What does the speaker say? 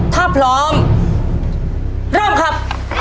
ถ้าพร้อมเริ่มครับ